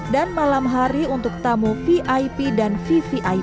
dan malam hari untuk tamu vip dan vvip